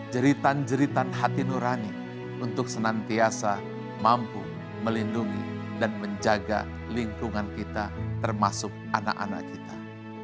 jeritan jeritan hati nurani untuk senantiasa mampu melindungi dan menjaga lingkungan kita termasuk anak anak kita